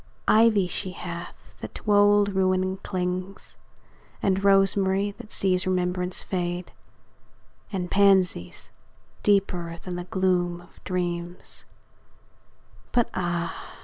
Ivy she hath, that to old ruin clings; And rosemary, that sees remembrance fade; And pansies, deeper than the gloom of dreams; But ah!